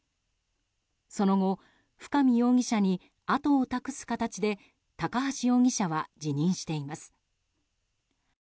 その後、深見容疑者に後を託す形で高橋容疑者は辞任しています。